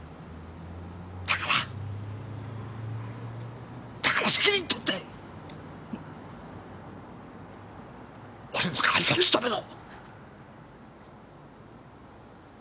だからだから責任とって俺の代わりを務めろ。